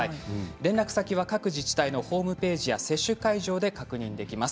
連絡先は各自治体のホームページや接種会場で確認できます。